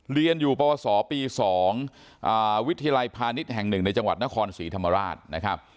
เรียนอยู่ปวสปี๒วิทยาลัยพาณิชย์แห่ง๑ในจังหวัดนครศรีธรรมราชนะครับ